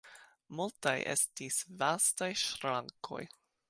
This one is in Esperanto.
Multaj estis vastaj ŝrankoj.